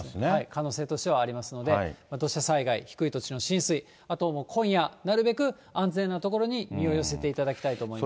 可能性としてはありますので、土砂災害、低い土地の浸水、あと今夜、なるべく安全な所に身を寄せていただきたいと思います。